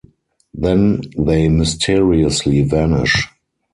Then they mysteriously vanish.